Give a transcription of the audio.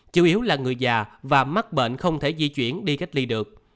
chủ yếu là người già và mắc bệnh không thể di chuyển đi cách ly được